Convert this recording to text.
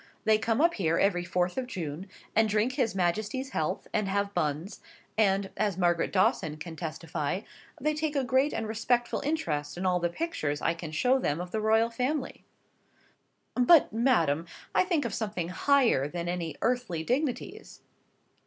They come up here every fourth of June, and drink his Majesty's health, and have buns, and (as Margaret Dawson can testify) they take a great and respectful interest in all the pictures I can show them of the royal family." "But, madam, I think of something higher than any earthly dignities."